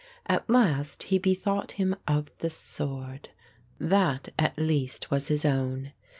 At last he bethought him of the sword. That at least was his own.